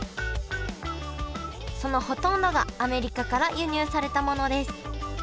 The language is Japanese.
そのほとんどがアメリカから輸入されたものです